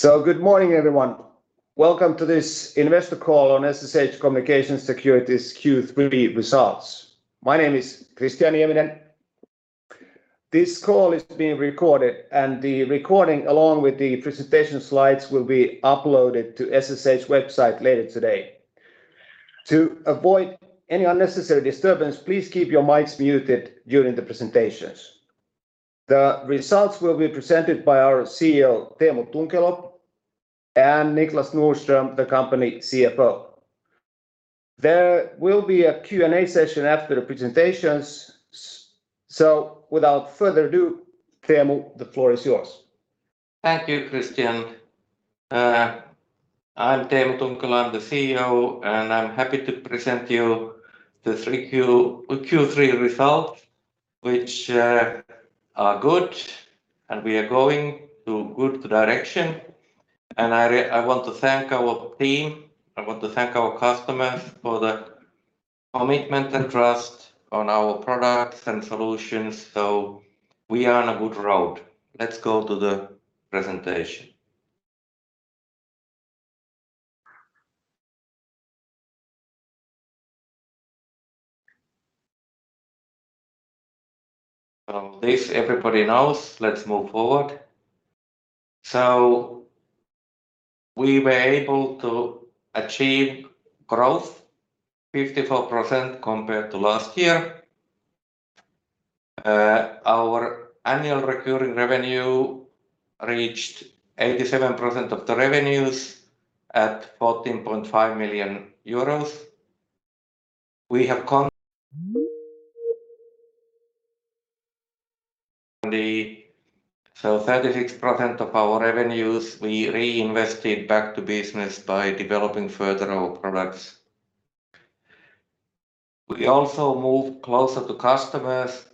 Good morning, everyone. Welcome to this investor call on SSH Communications Security's Q3 results. My name is [Christian Fredrikson. This call is being recorded, and the recording, along with the presentation slides, will be uploaded to SSH website later today. To avoid any unnecessary disturbance, please keep your mics muted during the presentations. The results will be presented by our CEO, Teemu Tunkelo, and Niklas Nordström, the company CFO. There will be a Q&A session after the presentations. Without further ado, Teemu, the floor is yours. Thank you, Christian. I'm Teemu Tunkelo, I'm the CEO, and I'm happy to present you the Q3 results, which are good, and we are going to good direction. I want to thank our team, I want to thank our customers for the commitment and trust on our products and solutions so we are on a good road. Let's go to the presentation. This everybody knows. Let's move forward. We were able to achieve growth 54% compared to last year. Our annual recurring revenue reached 87% of the revenues at 14.5 million euros. 36% of our revenues, we reinvested back to business by developing further our products. We also moved closer to customers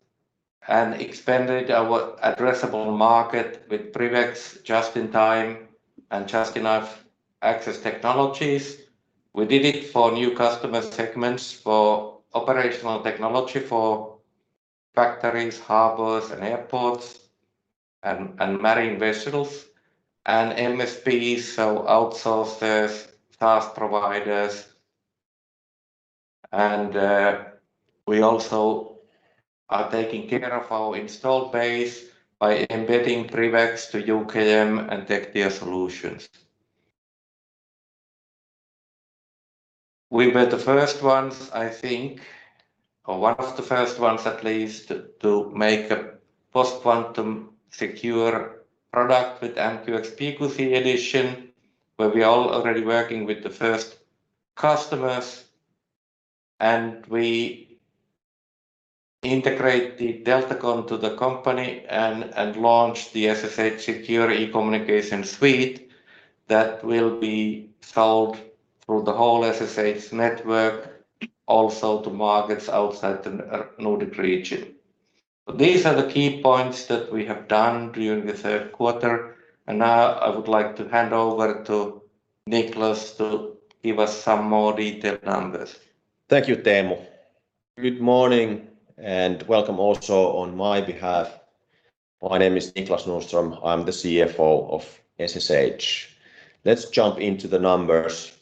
and expanded our addressable market with PrivX, just-in-time access and just-enough-access technologies. We did it for new customer segments for operational technology, for factories, harbors, and airports and marine vessels and MSPs, so outsourcers, task providers. We also are taking care of our installed base by embedding PrivX to UKM and Tectia solutions. We were the first ones, I think, or one of the first ones at least, to make a post-quantum secure product with NQX PQC Edition, where we are already working with the first customers and we integrate the Deltagon to the company and launch the SSH Secure e-communication Suite that will be sold through the whole SSH network, also to markets outside the Nordic region. These are the key points that we have done during the third quarter, and now I would like to hand over to Niklas to give us some more detailed numbers. Thank you, Teemu. Good morning and welcome also on my behalf. My name is Niklas Nordström. I'm the CFO of SSH. Let's jump into the numbers.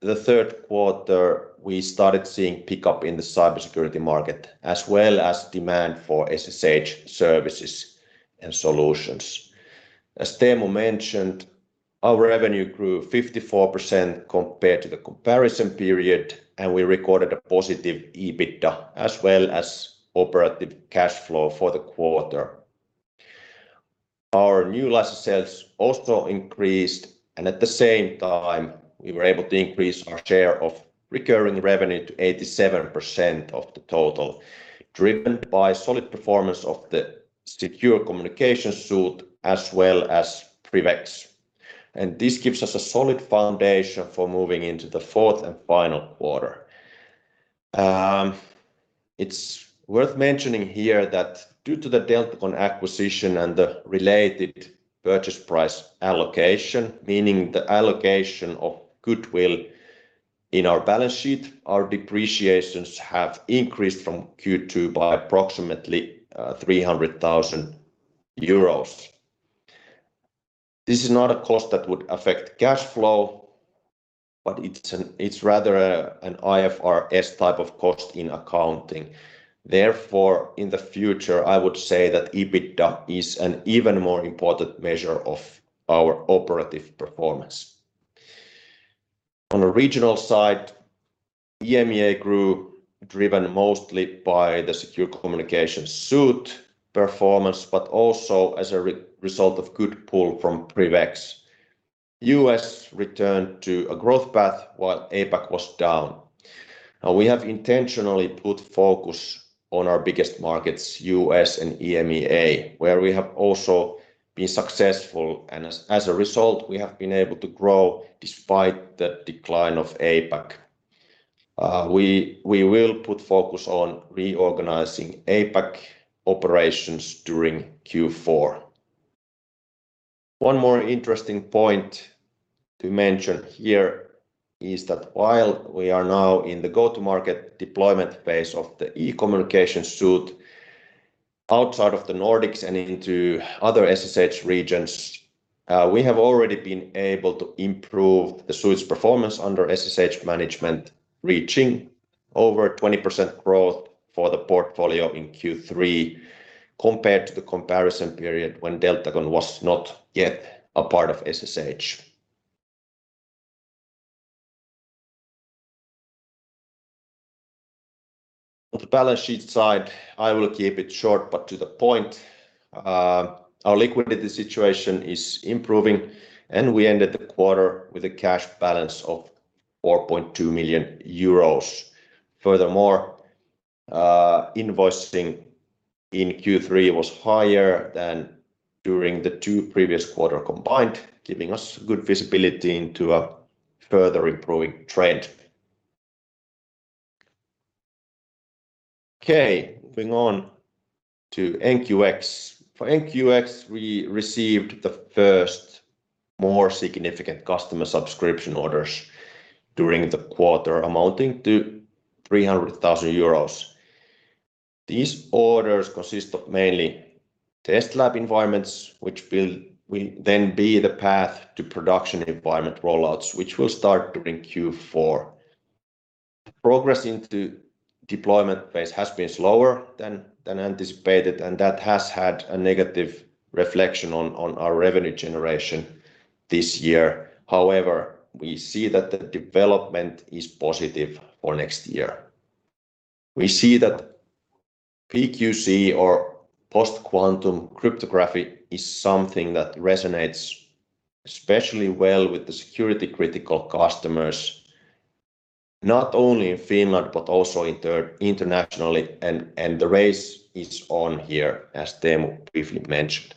During the third quarter, we started seeing pickup in the cybersecurity market, as well as demand for SSH services and solutions. As Teemu mentioned, our revenue grew 54% compared to the comparison period, and we recorded a positive EBITDA, as well as operative cash flow for the quarter. Our new license sales also increased, and at the same time, we were able to increase our share of recurring revenue to 87% of the total, driven by solid performance of the SSH Secure e-communication Suite as well as PrivX. This gives us a solid foundation for moving into the fourth and final quarter. It's worth mentioning here that due to the Deltagon acquisition and the related purchase price allocation, meaning the allocation of goodwill in our balance sheet, our depreciations have increased from Q2 by approximately EUR 300,000. This is not a cost that would affect cash flow, but it is rather an IFRS type of cost in accounting, therefore, in the future, I would say that EBITDA is an even more important measure of our operative performance. On a regional side, EMEA grew, driven mostly by the SSH Secure e-communication Suite performance, but also as a result of good pull from PrivX. U.S. returned to a growth path while APAC was down. We have intentionally put focus on our biggest markets, U.S. and EMEA, where we have also been successful. As a result, we have been able to grow despite the decline of APAC. We will put focus on reorganizing APAC operations during Q4. One more interesting point to mention here is that while we are now in the go-to-market deployment phase of the e-Communications Suite outside of the Nordics and into other SSH regions, we have already been able to improve the suite's performance under SSH management, reaching over 20% growth for the portfolio in Q3 compared to the comparison period when Deltagon was not yet a part of SSH. On the balance sheet side, I will keep it short but to the point. Our liquidity situation is improving, and we ended the quarter with a cash balance of 4.2 million euros. Furthermore, invoicing in Q3 was higher than during the two previous quarter combined, giving us good visibility into a further improving trend. Okay, moving on to NQX. For NQX, we received the first more significant customer subscription orders during the quarter amounting to 300,000 euros. These orders consist of mainly test lab environments, which will then be the path to production environment rollouts, which will start during Q4. Overall, it seem that deployment base has been slower and anticipated and that has had a negative reflection on our revenue generation this year. We see that the development is positive for next year. We see that PQC or post-quantum cryptography is something that resonates especially well with the security-critical customers, not only in Finland but also internationally and the race is on here, as Teemu briefly mentioned.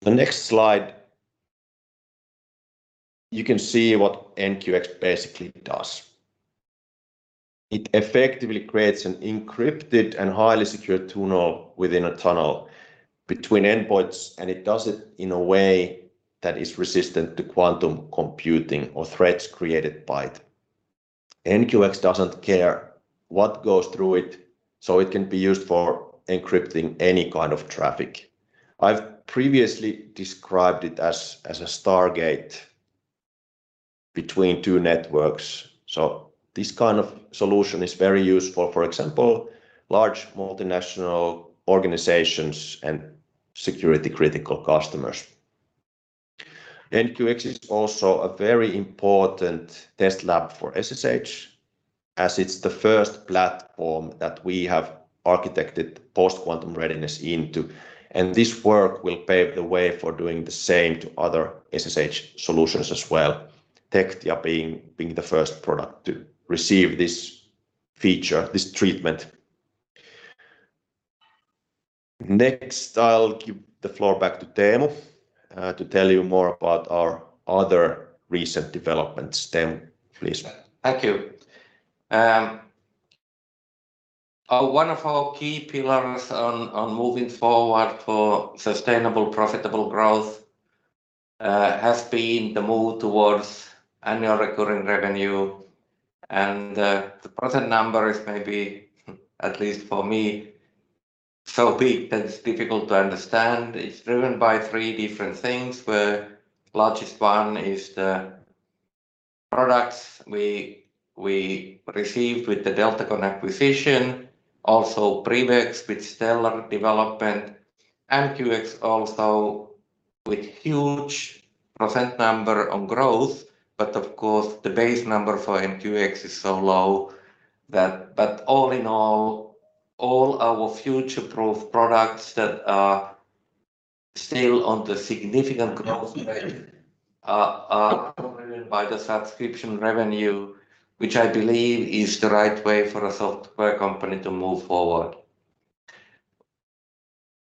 The next slide. You can see what NQX basically does. It effectively creates an encrypted and highly secured tunnel within a tunnel between endpoints and it does it in a way that is resistant to quantum computing or threats created by it. NQX doesn't care what goes through it, so it can be used for encrypting any kind of traffic. I've previously described it as a stargate between two networks. This kind of solution is very useful, for example, large multinational organizations and security-critical customers. NQX is also a very important test lab for SSH, as it's the first platform that we have architected post-quantum readiness into, and this work will pave the way for doing the same to other SSH solutions as well. Tectia being the first product to receive this feature, this treatment. Next, I'll give the floor back to Teemu, to tell you more about our other recent developments. Teemu, please. Thank you. One of our key pillars on moving forward for sustainable, profitable growth has been the move towards annual recurring revenue, and the present number is maybe, at least for me, so big that it's difficult to understand. It's driven by three different things, where largest one is the products we received with the Deltagon acquisition, also PrivX with stellar development. NQX also with huge percent number on growth, but of course, the base number for NQX is so low that all in all our future-proof products that are still on the significant growth rate are driven by the subscription revenue, which I believe is the right way for a software company to move forward.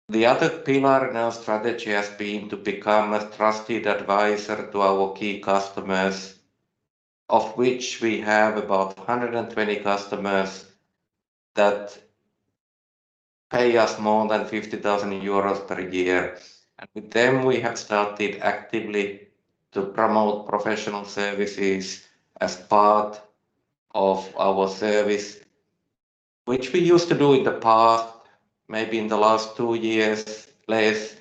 The other pillar in our strategy has been to become a trusted advisor to our key customers, of which we have about 120 customers that pay us more than 50,000 euros per year. With them, we have started actively to promote professional services as part of our service, which we used to do in the past, maybe in the last two years, less,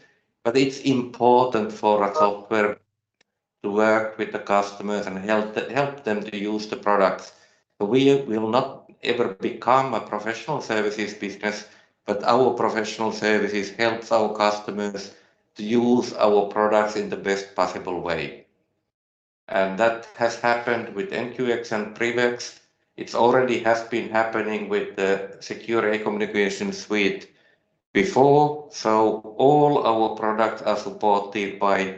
but it's important for a software to work with the customers and help them to use the products. We will not ever become a professional services business, but our professional services helps our customers to use our products in the best possible way and that has happened with NQX and PrivX. It already has been happening with the Secure e-communication Suite before. All our products are supported by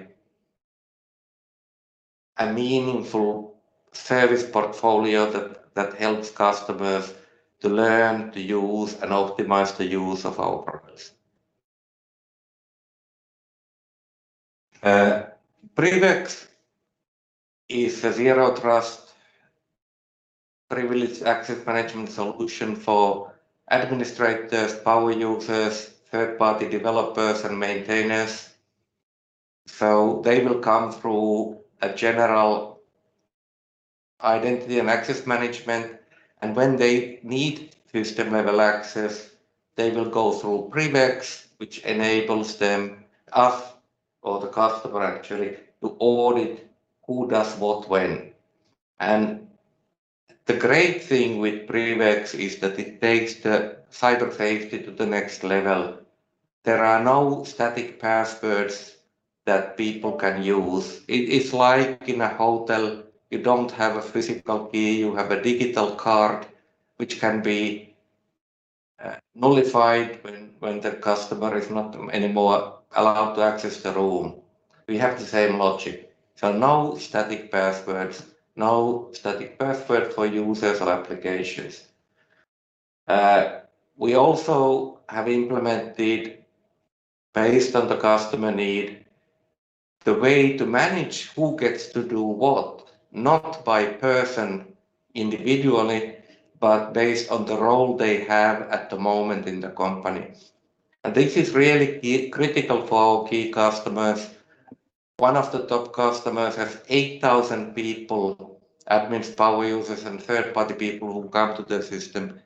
a meaningful service portfolio that helps customers to learn to use and optimize the use of our products. PrivX is a zero trust privileged access management solution for administrators, power users, third-party developers, and maintainers, so they will come through a general identity and access management, and when they need system-level access, they will go through PrivX, which enables them, us, or the customer actually, to audit who does what when. The great thing with PrivX is that it takes the cyber safety to the next level. There are no static passwords that people can use. It is like in a hotel, you don't have a physical key. You have a digital card, which can be nullified when the customer is not anymore allowed to access the room. We have the same logic. No static passwords. No static password for users or applications. We also have implemented, based on the customer need, the way to manage who gets to do what, not by person individually, but based on the role they have at the moment in the company. This is really critical for our key customers. One of the top customers has 8,000 people, admins, power users, and third-party people who come to the system.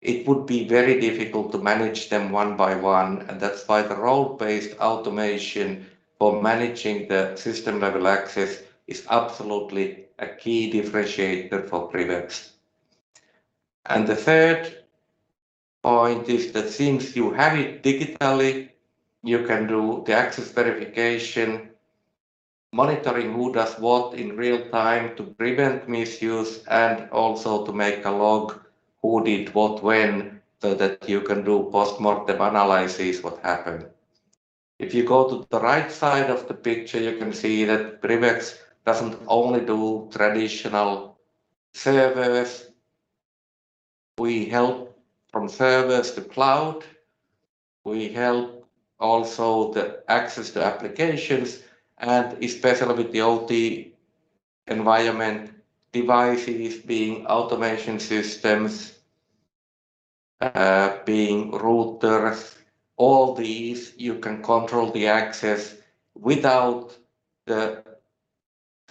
It would be very difficult to manage them one by one and that's why the role-based automation for managing the system-level access is absolutely a key differentiator for PrivX. The third point is that since you have it digitally, you can do the access verification, monitoring who does what in real time to prevent misuse and also to make a log who did what when, so that you can do postmortem analysis what happened. If you go to the right side of the picture, you can see that PrivX doesn't only do traditional servers. We help from servers to cloud. We help also the access to applications and especially with the OT environment devices, being automation systems, being routers. All these you can control the access without the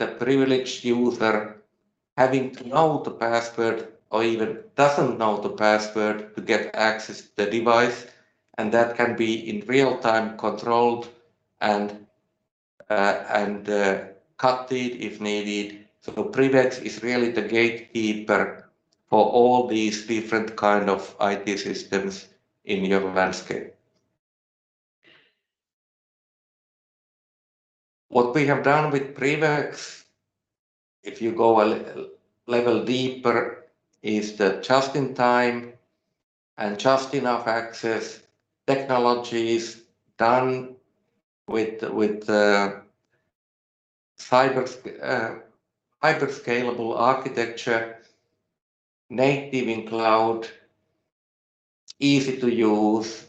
privileged user having to know the password or even doesn't know the password to get access to the device, and that can be in real-time controlled and cut it if needed. PrivX is really the gatekeeper for all these different kind of IT systems in your landscape. What we have done with PrivX, if you go a level deeper, is the just-in-time and just-enough-access technologies done with hyper-scalable architecture, native in cloud, easy to use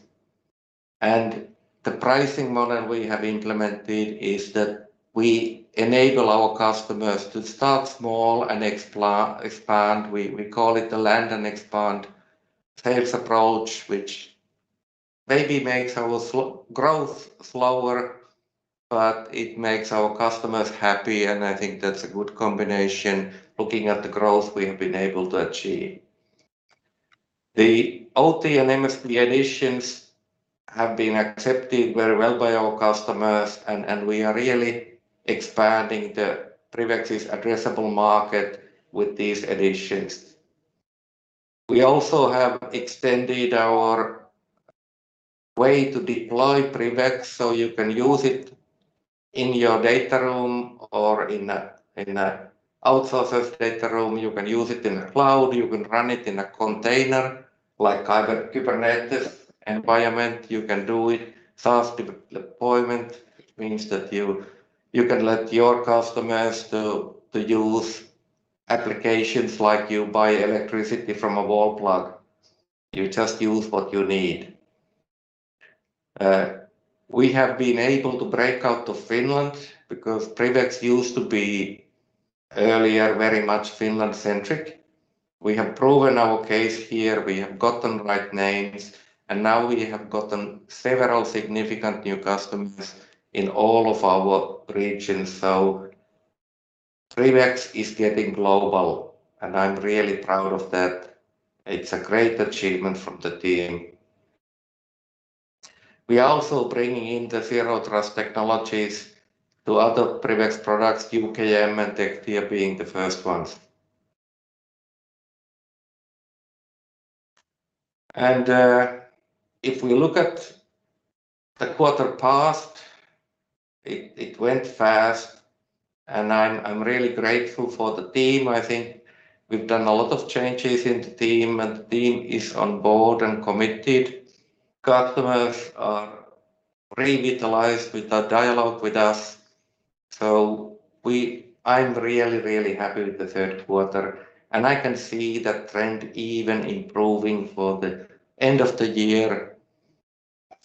and the pricing model we have implemented is that we enable our customers to start small and expand. We call it the land and expand sales approach, which maybe makes our growth slower, but it makes our customers happy, and I think that's a good combination looking at the growth we have been able to achieve. The OT and MSP additions have been accepted very well by our customers and we are really expanding the PrivX's addressable market with these additions. We also have extended our way to deploy PrivX so you can use it in your data room or in a outsourcer's data room. You can use it in a cloud. You can run it in a container, like Kubernetes environment. You can do it SaaS deployment, which means that you can let your customers to use applications like you buy electricity from a wall plug. You just use what you need. We have been able to break out to Finland because PrivX used to be earlier very much Finland-centric. We have proven our case here. We have gotten right names and bnow we have gotten several significant new customers in all of our regions. PrivX is getting global, and I'm really proud of that. It's a great achievement from the team. We are also bringing in the zero trust technologies to other PrivX products, UKM and Tectia being the first ones. If we look at the quarter past, it went fast and I'm really grateful for the team. I think we've done a lot of changes in the team, and the team is on board and committed. Customers are revitalized with their dialogue with us. I'm really, really happy with the third quarter, and I can see the trend even improving for the end of the year.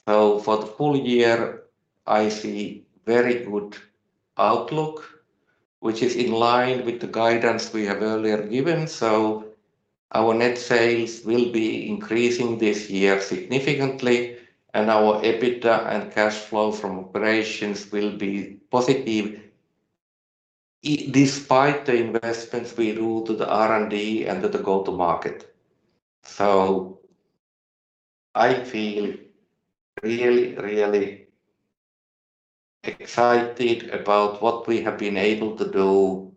For the full year, I see very good outlook, which is in line with the guidance we have earlier given. Our net sales will be increasing this year significantly, and our EBITDA and cash flow from operations will be positive despite the investments we do to the R&D and to the go-to-market. I feel really, really excited about what we have been able to do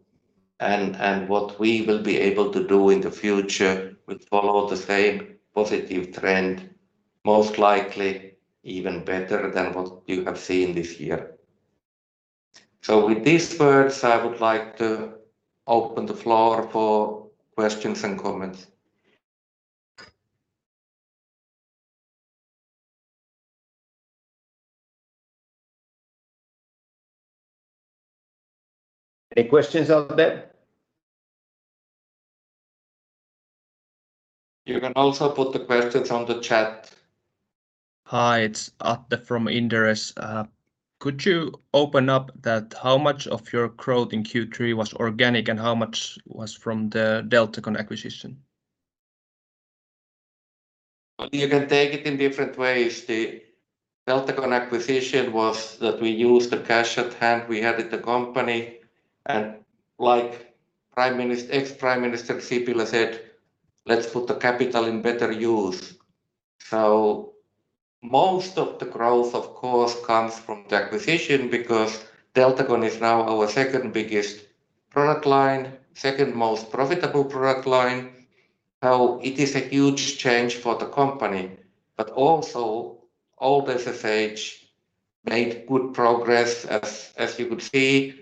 and what we will be able to do in the future, which follow the same positive trend, most likely even better than what you have seen this year. With these words, I would like to open the floor for questions and comments. Any questions out there? You can also put the questions on the chat. Hi, it's Atte from Inderes. Could you open up that how much of your growth in Q3 was organic and how much was from the Deltagon acquisition? Atte, you can take it in different ways. The Deltagon acquisition was that we used the cash at hand we had at the company. Like ex-Prime Minister Sipilä said, "Let's put the capital in better use." Most of the growth, of course, comes from the acquisition because Deltagon is now our second-biggest product line, second-most profitable product line. It is a huge change for the company, but also old SSH made good progress, as you could see.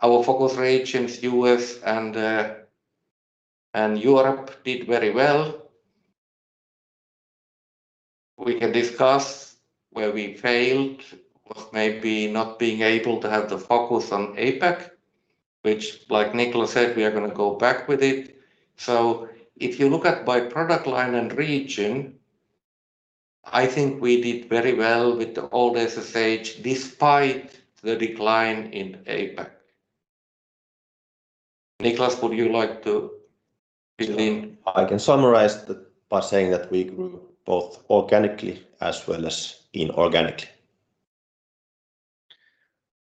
Our focus regions, U.S. and Europe, did very well. We can discuss where we failed, maybe not being able to have the focus on APAC, which, like Niklas said, we are going to go back with it. If you look at by product line and region, I think we did very well with the old SSH despite the decline in APAC. Niklas, would you like to begin? I can summarize that by saying that we grew both organically as well as inorganically.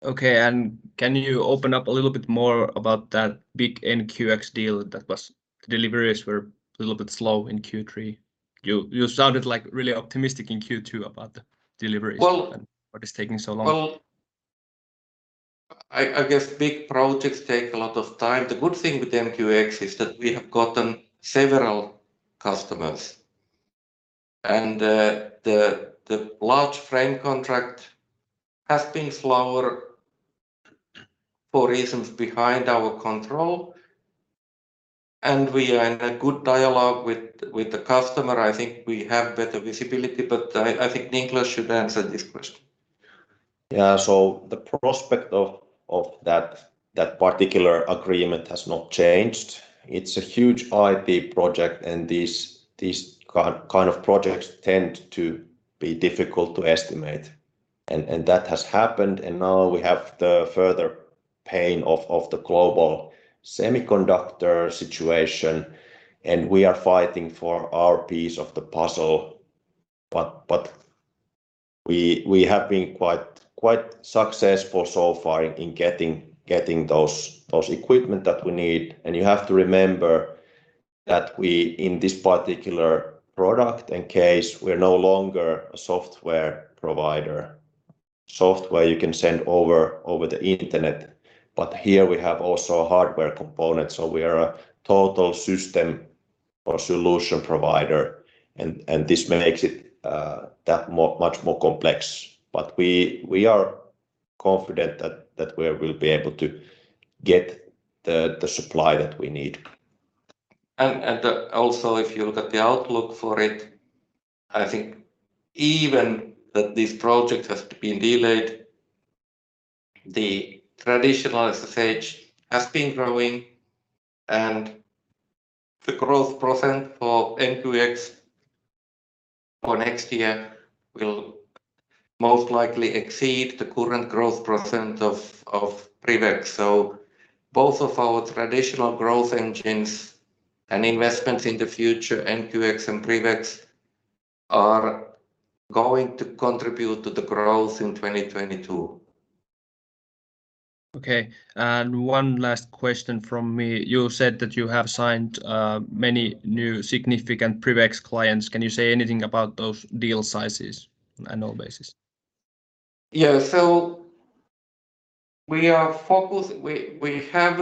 Okay. Can you open up a little bit more about that big NQX deal that was deliveries were a little bit slow in Q3. You sounded really optimistic in Q2 about the deliveries. Well- What is taking so long? Well, I guess big projects take a lot of time. The good thing with NQX is that we have gotten several customers. The large frame contract has been slower for reasons behind our control, and we are in a good dialogue with the customer. I think we have better visibility, but I think Niklas should answer this question. Yeah. The prospect of that particular agreement has not changed. It's a huge IT project, and these kind of projects tend to be difficult to estimate, and that has happened. Now we have the further pain of the global semiconductor situation, and we are fighting for our piece of the puzzle. We have been quite successful so far in getting those equipment that we need. You have to remember that we, in this particular product and case, we're no longer a software provider. Software you can send over the Internet, but here we have also a hardware component, so we are a total system or solution provider, and this makes it that much more complex but we are confident that we will be able to get the supply that we need. Also if you look at the outlook for it, I think even that this project has been delayed, the traditional SSH has been growing and the growth percent for NQX for next year will most likely exceed the current growth percent of PrivX. Both of our traditional growth engines and investments in the future, NQX and PrivX, are going to contribute to the growth in 2022. Okay. One last question from me. You said that you have signed many new significant PrivX clients. Can you say anything about those deal sizes on an annual basis? Yeah. We have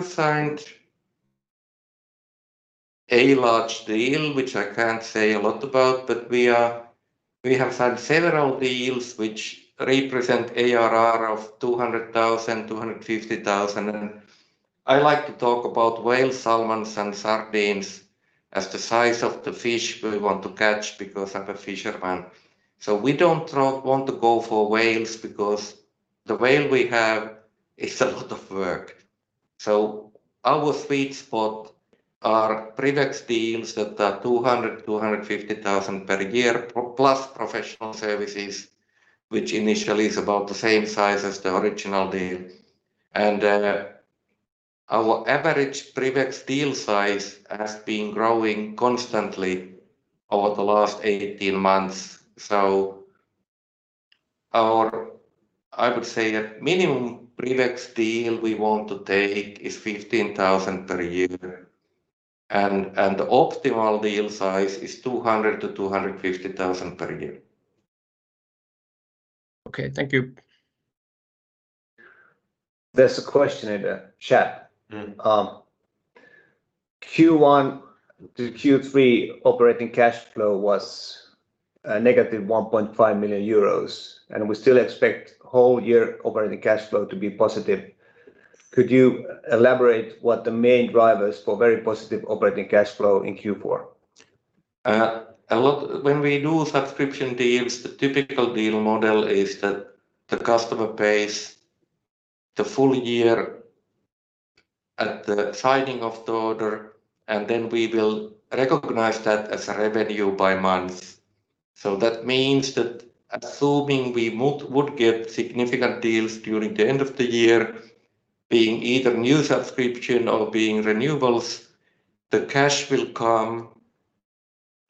signed a large deal, which I can't say a lot about, but we have signed several deals which represent ARR of 200,000, 250,000. I like to talk about whale, salmons, and sardines as the size of the fish we want to catch because I'm a fisherman. We don't want to go for whales because the whale we have is a lot of work. Our sweet spot are PrivX deals that are 200,000, 250,000 per year, plus professional services, which initially is about the same size as the original deal and our average PrivX deal size has been growing constantly over the last 18 months. I would say that minimum PrivX deal we want to take is 15,000 per year, and the optimal deal size is 200,000-250,000 per year. Okay. Thank you. There's a question in the chat. Q1 to Q3 operating cash flow was a -1.5 million euros, and we still expect whole year operating cash flow to be positive. Could you elaborate what the main drivers for very positive operating cash flow in Q4 are? When we do subscription deals, the typical deal model is that the customer pays the full year at the signing of the order, and then we will recognize that as revenue by month. That means that assuming we would get significant deals during the end of the year, being either new subscription or being renewables, the cash will come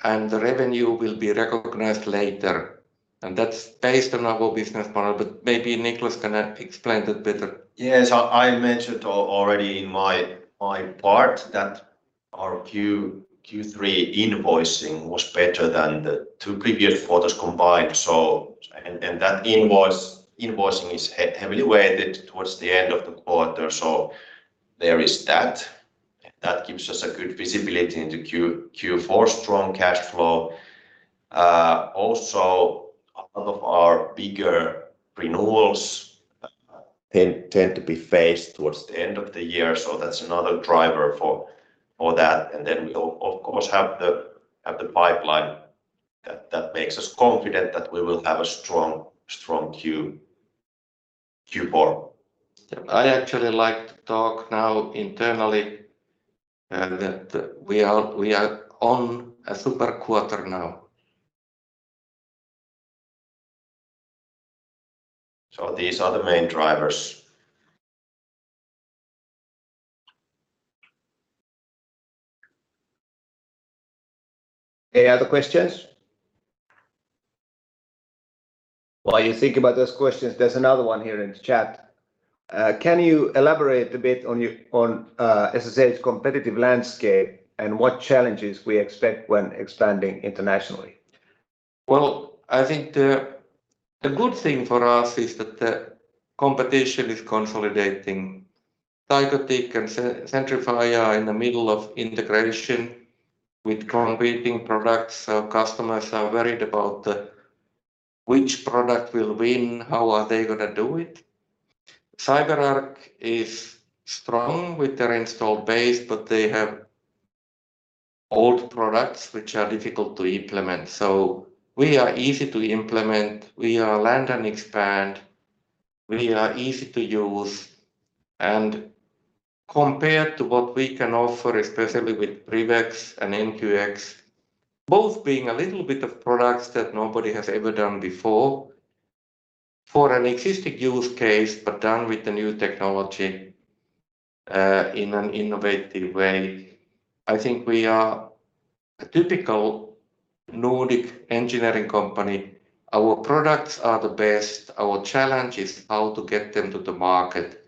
and the revenue will be recognized later. That's based on our business model, but maybe Niklas can explain that better. Yes. I mentioned already in my part that our Q3 invoicing was better than the two previous quarters combined. That invoicing is heavily weighted towards the end of the quarter, there is that. That gives us a good visibility into Q4 strong cash flow. Also, all of our bigger renewals tend to be phased towards the end of the year, that's another driver for that. We of course have the pipeline that makes us confident that we will have a strong Q4. I actually like to talk now internally that we are on a super quarter now. These are the main drivers. Any other questions? While you think about those questions, there is another one here in the chat. Can you elaborate a bit on SSH competitive landscape and what challenges we expect when expanding internationally? Well, I think the good thing for us is that the competition is consolidating. Thycotic and Centrify are in the middle of integration with competing products, so customers are worried about which product will win, how are they going to do it. CyberArk is strong with their installed base, but they have old products which are difficult to implement so we are easy to implement. We are land and expand. We are easy to use. Compared to what we can offer, especially with PrivX and NQX, both being a little bit of products that nobody has ever done before, for an existing use case but done with the new technology, in an innovative way. I think we are a typical Nordic engineering company. Our products are the best. Our challenge is how to get them to the market,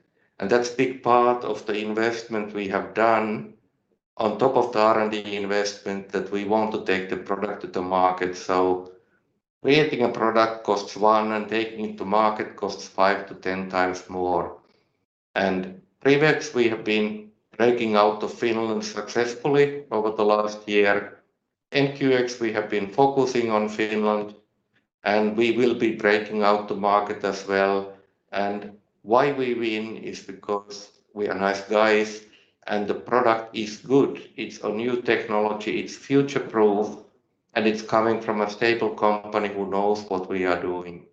and that's big part of the investment we have done on top of the R&D investment that we want to take the product to the market. Creating a product costs one, and taking it to market costs 5x-10xmore. PrivX, we have been breaking out of Finland successfully over the last year. NQX, we have been focusing on Finland, and we will be breaking out to market as well. Why we win is because we are nice guys and the product is good. It's a new technology, it's future proof, and it's coming from a stable company who knows what we are doing.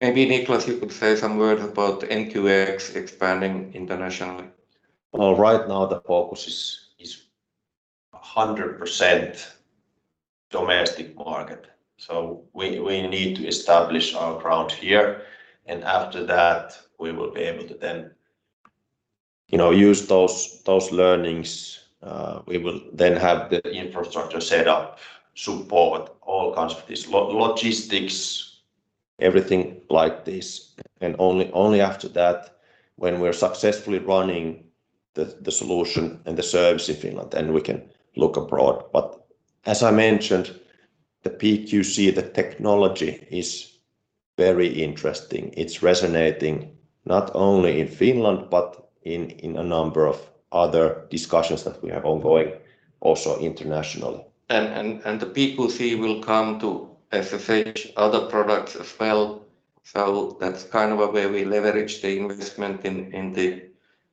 Maybe Niklas, you could say some words about NQX expanding internationally. Well, right now the focus is 100% domestic market. We need to establish our ground here, and after that, we will be able to then use those learnings. We will then have the infrastructure set up, support all kinds of this logistics, everything like this. Only after that, when we're successfully running the solution and the service in Finland, then we can look abroad. As I mentioned, the PQC, the technology is very interesting. It's resonating not only in Finland, but in a number of other discussions that we have ongoing also internationally. The PQC will come to SSH other products as well. That's kind of a way we leverage the investment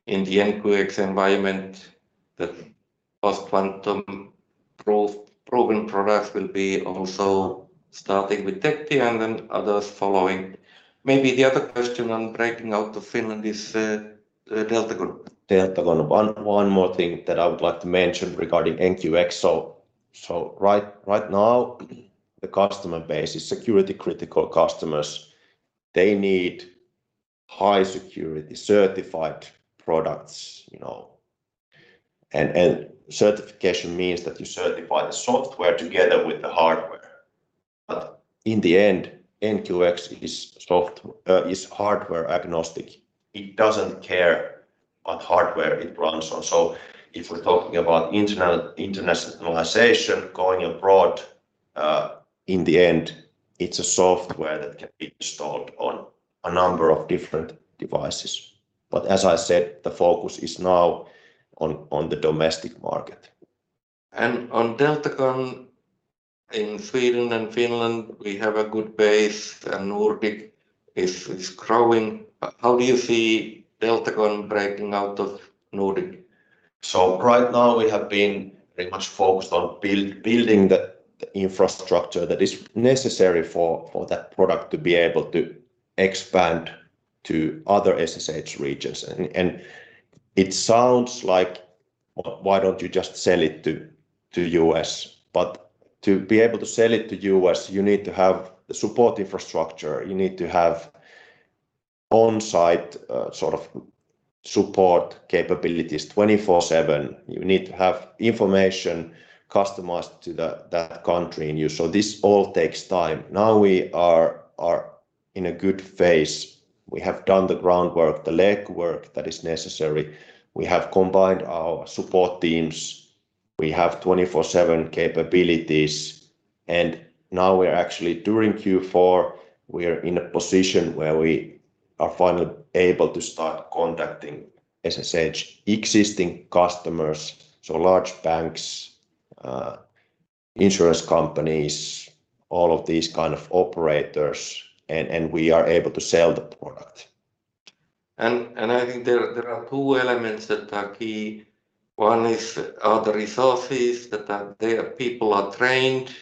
in the NQX environment, the post-quantum proven products will be also starting with Tectia and then others following. Maybe the other question on breaking out to Finland is Deltagon. Deltagon. One more thing that I would like to mention regarding NQX. Right now, the customer base is security critical customers. They need high security certified products. Certification means that you certify the software together with the hardware. In the end, NQX is hardware agnostic. It doesn't care what hardware it runs on. If we're talking about internationalization going abroad, in the end, it's a software that can be installed on a number of different devices. As I said, the focus is now on the domestic market. On Deltagon in Sweden and Finland, we have a good base and Nordic is growing. How do you see Deltagon breaking out of Nordic? Right now we have been very much focused on building the infrastructure that is necessary for that product to be able to expand to other SSH regions. It sounds like, "Well, why don't you just sell it to U.S.?" To be able to sell it to U.S., you need to have the support infrastructure. You need to have on-site sort of support capabilities 24/7. You need to have information customized to that country. This all takes time. Now we are in a good phase. We have done the groundwork, the legwork that is necessary. We have combined our support teams. We have 24/7 capabilities, and now we are actually, during Q4, we are in a position where we are finally able to start contacting SSH existing customers, so large banks, insurance companies, all of these kind of operators, and we are able to sell the product. I think there are two elements that are key. One is are the resources that are there, people are trained.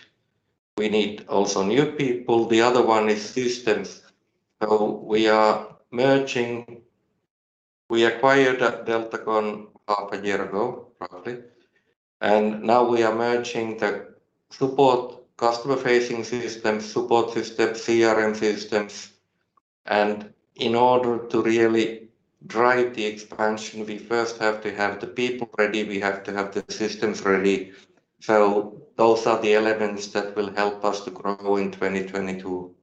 We need also new people. The other one is systems. We are merging. We acquired Deltagon half a year ago, roughly, and now we are merging the support customer-facing systems, support systems, CRM systems. In order to really drive the expansion, we first have to have the people ready. We have to have the systems ready. Those are the elements that will help us to grow in 2022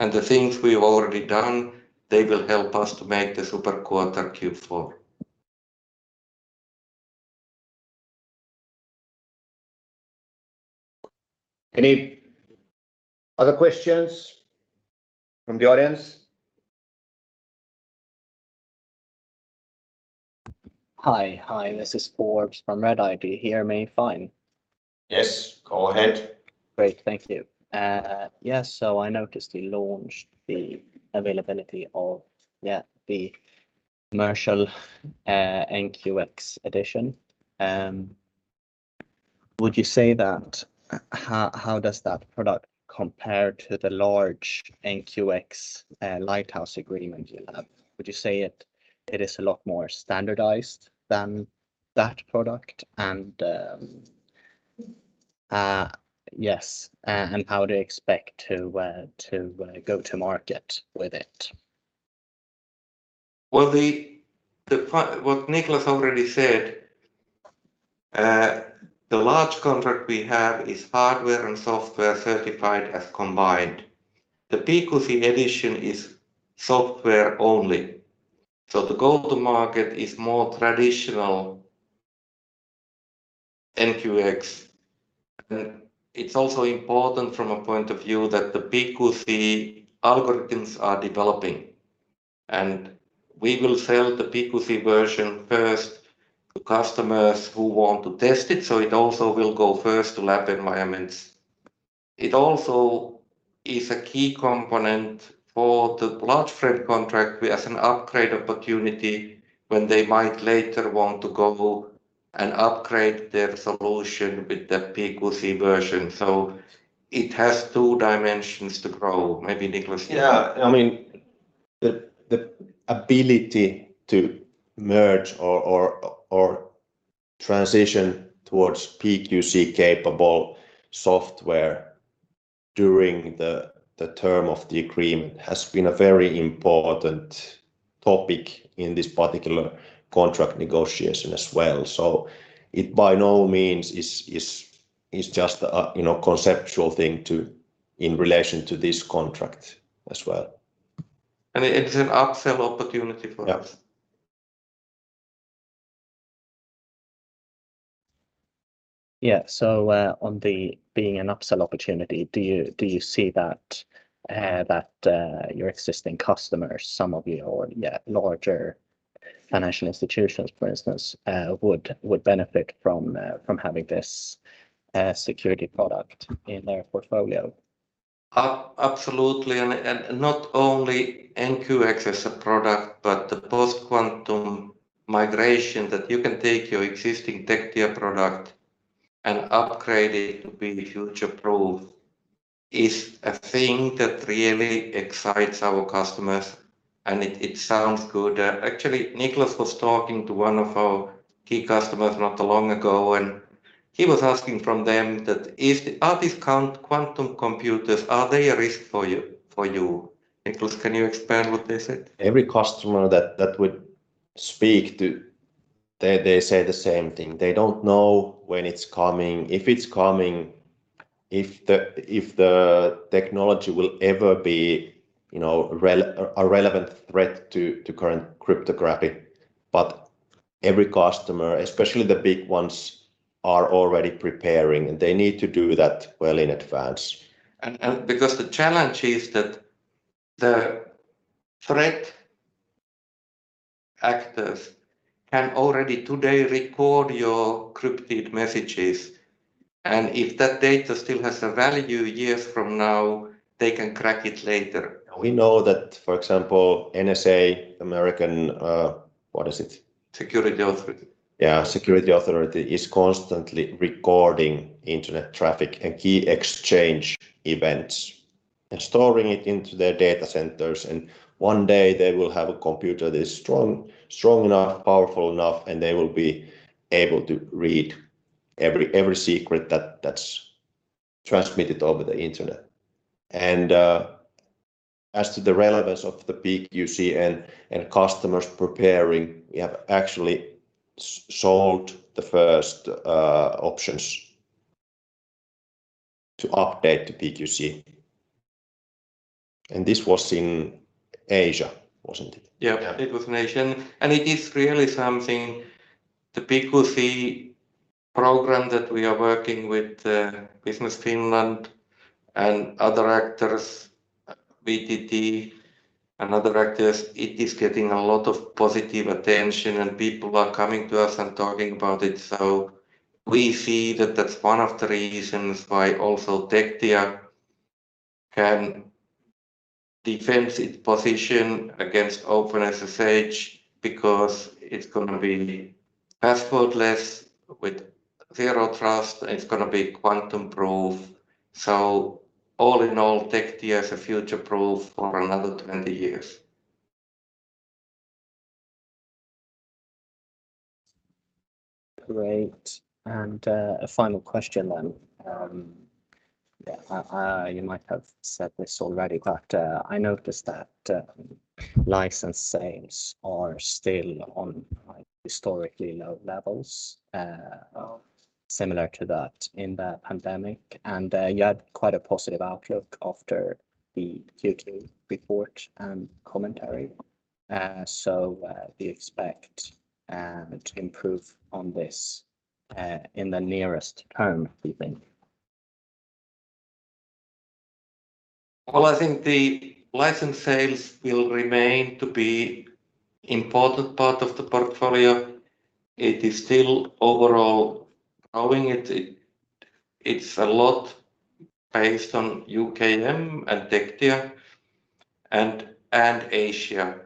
and the things we've already done, they will help us to make the super quarter Q4. Any other questions from the audience? Hi. This is Forbes from Redeye. Do you hear me fine? Yes. Go ahead Great. Thank you. Yes, I noticed you launched the availability of the commercial NQX edition. How does that product compare to the large NQX Lighthouse agreement you have? Would you say it is a lot more standardized than that product? How do you expect to go to market with it? Well, what Niklas already said, the large contract we have is hardware and software certified as combined. The PQC edition is software only so the go-to-market is more traditional NQX. It's also important from a point of view that the PQC algorithms are developing, and we will sell the PQC version first to customers who want to test it. It also will go first to lab environments. It also is a key component for the large frame contract, as an upgrade opportunity when they might later want to go and upgrade their solution with the PQC version. It has two dimensions to grow. Maybe Niklas. Yeah. The ability to merge or transition towards PQC-capable software during the term of the agreement has been a very important topic in this particular contract negotiation as well, so it by no means is just a conceptual thing in relation to this contract as well. It's an upsell opportunity for us. Yeah. Yeah. On the being an upsell opportunity, do you see that your existing customers, some of your larger financial institutions, for instance, would benefit from having this security product in their portfolio? Absolutely. Not only NQX as a product, but the post-quantum migration that you can take your existing Tectia product and upgrade it to be future-proof is a thing that really excites our customers. It sounds good. Actually, Niklas was talking to one of our key customers not long ago, when he was asking from them that, "Are these quantum computers, are they a risk for you?" Niklas, can you expand what they said? Every customer that would speak, they say the same thing. They don't know when it's coming, if it's coming, if the technology will ever be a relevant threat to current cryptography. Every customer, especially the big ones, are already preparing, and they need to do that well in advance. Because the challenge is that the threat actors can already today record your encrypted messages, and if that data still has a value years from now, they can crack it later. We know that, for example, NSA, American, what is it? Security Authority. Yeah, Security Authority is constantly recording Internet traffic and key exchange events and storing it into their data centers. One day they will have a computer that is strong enough, powerful enough, and they will be able to read every secret that's transmitted over the Internet. As to the relevance of the PQC and customers preparing, we have actually sold the first options to update the PQC. This was in Asia, wasn't it? Yeah. Yeah. It was in Asia. It is really something, the PQC program that we are working with Business Finland and other actors, VTT and other actors, it is getting a lot of positive attention and people are coming to us and talking about it. We see that that's one of the reasons why also Tectia can defend its position against OpenSSH because it's going to be passwordless with zero trust, and it's going to be quantum-proof. All in all, Tectia is a future-proof for another 20 years. Great. A final question then. Yeah. You might have said this already, but I noticed that license sales are still on historically low levels similar to that in the pandemic. You had quite a positive outlook after the Q2 report and commentary. Do you expect to improve on this in the nearest term, do you think? Well, I think the license sales will remain to be important part of the portfolio. It is still overall growing. It's a lot based on UKM and Tectia and Asia.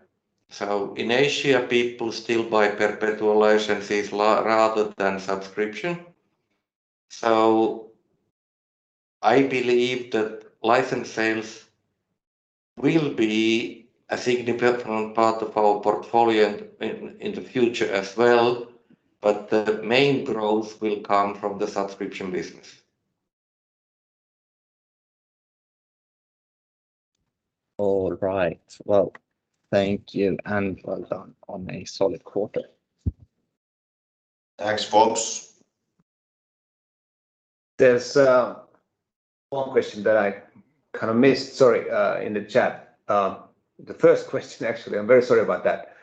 In Asia, people still buy perpetual licenses rather than subscription. I believe that license sales will be a significant part of our portfolio in the future as well. The main growth will come from the subscription business. All right. Well, thank you and well done on a solid quarter. Thanks, folks. There's one question that I kind of missed, sorry, in the chat. The first question, actually. I'm very sorry about that.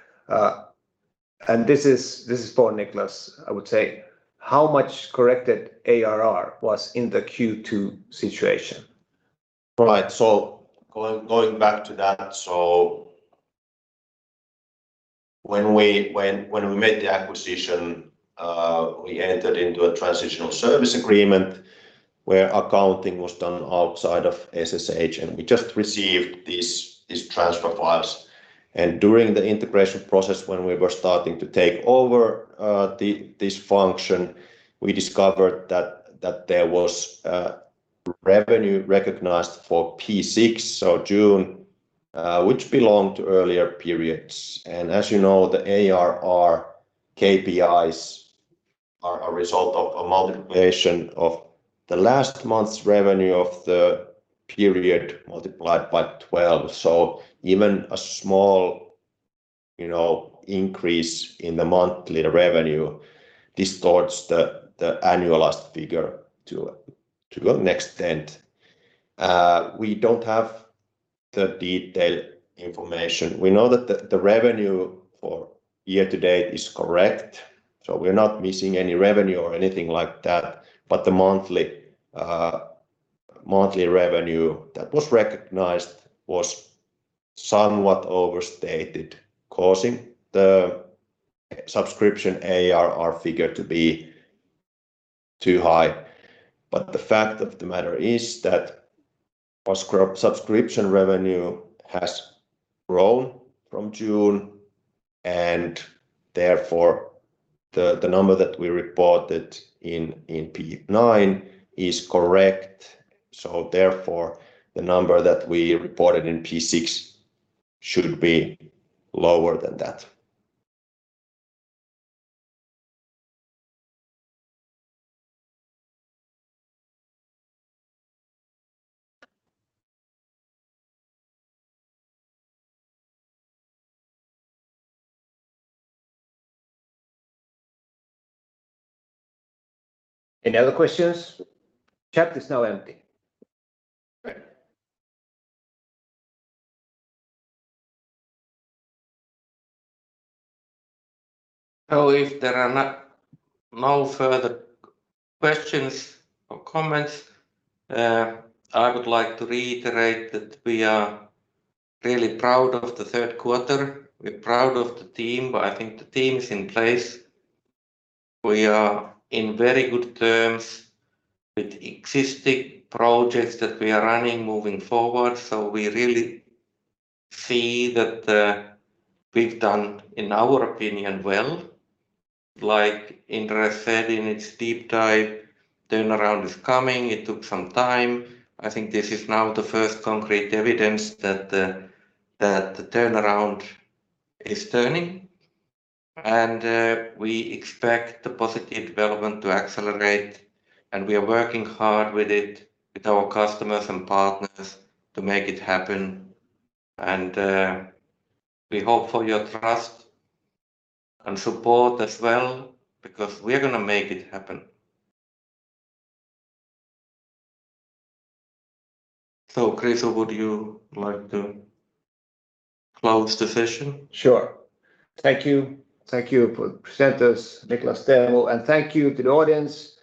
This is for Niklas, I would say. How much corrected ARR was in the Q2 situation? Right. Going back to that, when we made the acquisition, we entered into a transitional service agreement where accounting was done outside of SSH, and we just received these transfer files. During the integration process, when we were starting to take over this function, we discovered that there was revenue recognized for P6, June, which belonged to earlier periods. As you know, the ARR KPIs are a result of a multiplication of the last month's revenue of the period multiplied by 12. Even a small increase in the monthly revenue distorts the annualized figure to an extent. We don't have the detailed information. We know that the revenue for year to date is correct, so we're not missing any revenue or anything like that. The monthly revenue that was recognized was somewhat overstated, causing the subscription ARR figure to be too high. The fact of the matter is that our subscription revenue has grown from June, and therefore the number that we reported in P9 is correct. Therefore, the number that we reported in P6 should be lower than that. Any other questions? Chat is now empty. Great. If there are no further questions or comments, I would like to reiterate that we are really proud of the third quarter. We're proud of the team. I think the team is in place. We are in very good terms with existing projects that we are running moving forward. We really see that we've done, in our opinion, well, like Inderes said in its deep dive, turnaround is coming. It took some time. I think this is now the first concrete evidence that the turnaround is turning, and we expect the positive development to accelerate, and we are working hard with it, with our customers and partners to make it happen. We hope for your trust and support as well, because we are going to make it happen. Kristo, would you like to close the session? Sure. Thank you. Thank you presenters Niklas, Teemu, and thank you to the audience.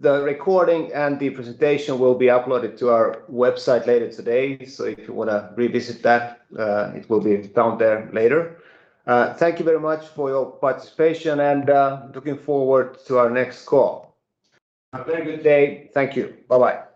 The recording and the presentation will be uploaded to our website later today. If you want to revisit that, it will be down there later. Thank you very much for your participation and looking forward to our next call. Have a very good day. Thank you. Bye-bye.